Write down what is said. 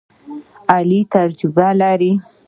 علي تجربه لري.